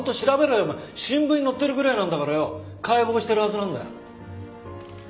お前新聞に載ってるぐらいなんだからよ解剖してるはずなんだよ。